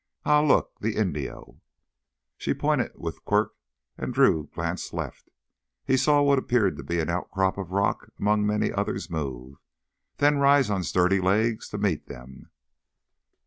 Ah, look, the Indio!" She pointed with quirt and Drew glanced left. He saw what appeared to be an outcrop of rock among many others move, then rise on sturdy legs to meet them.